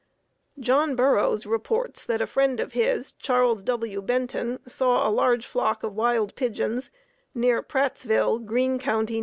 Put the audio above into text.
John Burroughs reports that a friend of his, Charles W. Benton, saw a large flock of wild pigeons near Prattsville, Greene County, N.